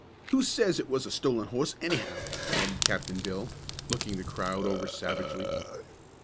Who says it was a stolen hoss, anyhow?" added Captain Bill, looking the crowd over savagely.